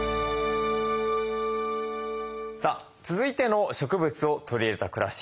さあ続いての植物を取り入れた暮らし